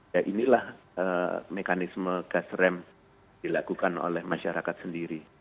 ya inilah mekanisme gas rem dilakukan oleh masyarakat sendiri